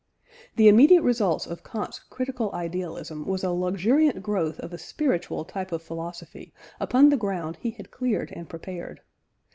The immediate results of Kant's critical idealism was a luxuriant growth of a spiritual type of philosophy upon the ground he had cleared and prepared.